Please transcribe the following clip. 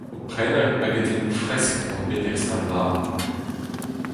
O prenañ bagetennoù fresk on bet er stal-vara.